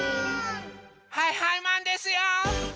はいはいマンですよ！